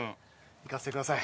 いかせてください。